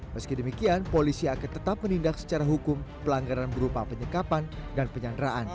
meski demikian polisi akan tetap menindak secara hukum pelanggaran berupa penyekapan dan penyanderaan